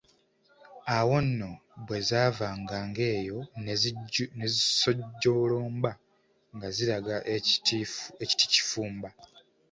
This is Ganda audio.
Awo nno bwe zaavanga ng’eyo ne zisojjolomba nga ziraga e Kitikifumba.